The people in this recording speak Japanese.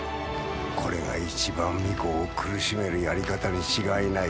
これが一番皇子を苦しめるやり方に違いない。